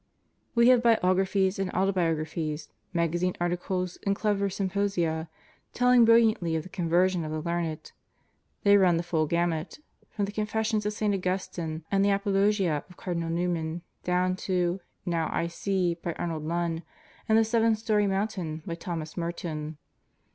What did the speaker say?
We have biographies and autobiographies, magazine articles and clever symposia telling brilliantly of the conversion of the learned. They run the full gamut: from the Confessions of St. Augustine and Foreword ix the Apologia of Cardinal Newman down to Now I See by Arnold Lunn and The Seven Storey Mountain by Thomas Merton.